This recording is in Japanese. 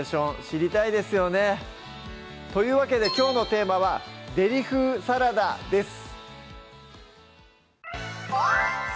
知りたいですよねというわけできょうのテーマは「デリ風サラダ」です